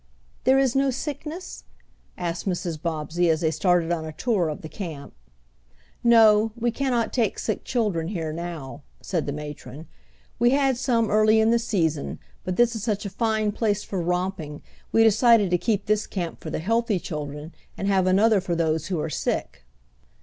"There is no sickness?" asked Mrs. Bobbsey, as they started on a tour of the camp. "No; we cannot take sick children here now," said the matron. "We had some early in the season, but this is such a fine place for romping we decided to keep this camp for the healthy children and have another for those who are sick."